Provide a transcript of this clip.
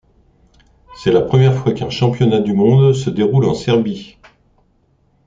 C'est la première fois qu'un championnat du monde se déroule en Serbie.